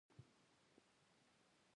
د څادر نه په سر منجيله جوړه کړه۔